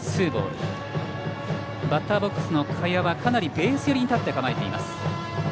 バッターボックスの賀谷はかなりベース寄りに立って構える。